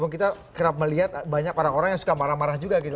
kita kerap melihat banyak orang orang yang suka marah marah juga gitu